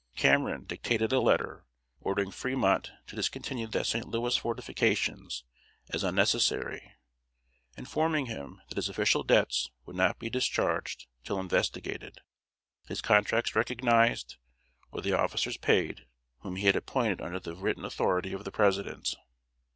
Cameron dictated a letter, ordering Fremont to discontinue the St. Louis fortifications as unnecessary, informing him that his official debts would not be discharged till investigated, his contracts recognized, or the officers paid whom he had appointed under the written authority of the President.